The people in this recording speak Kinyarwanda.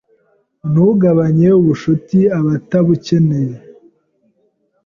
Ntugabanye ubucuti abatabukeneye